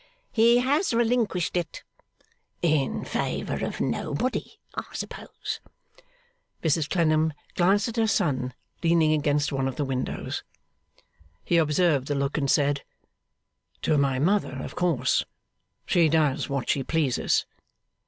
'He has relinquished it.' 'In favour of nobody, I suppose?' Mrs Clennam glanced at her son, leaning against one of the windows. He observed the look and said, 'To my mother, of course. She does what she pleases.